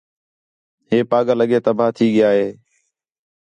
ہِے پاڳل اڳّے تباہ تھی ڳِیا ہِے